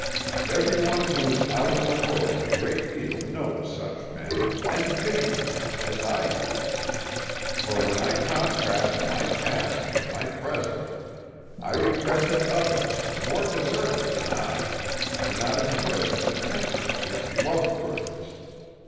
Everyone who is out in the world a great deal knows such men, and pities them, as I do; for when I contrast my past with my present, I regret that others, more deserving than I, cannot enjoy the contentment which love brings.